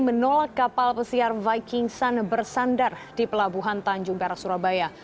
menolak kapal pesiar viking sun bersandar di pelabuhan tanjung perak surabaya